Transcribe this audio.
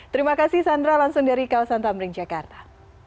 terima kasih sandra langsung dari kalsantamering jakarta